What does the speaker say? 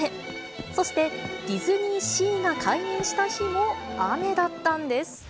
そしてディズニーシーが開園した日も雨だったんです。